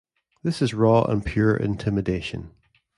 This is raw and pure intimidation.